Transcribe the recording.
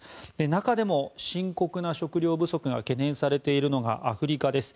中でも深刻な食糧不足が懸念されているのがアフリカです。